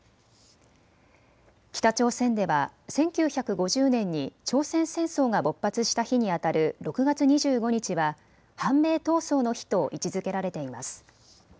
北朝鮮では１９５０年に朝鮮戦争が勃発した日にあたる６月２５日は反米闘争の日と位置づけられています。